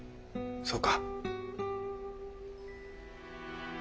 そうか。